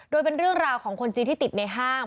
โดยเป็นเรื่องราวของคนจีนที่ติดในห้าง